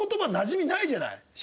ない。